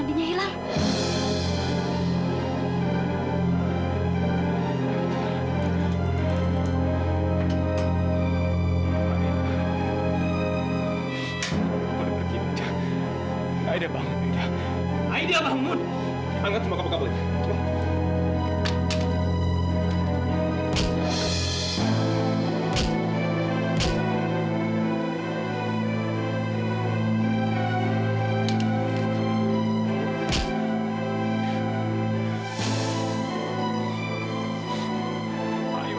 ini lukanya sudah komplikasi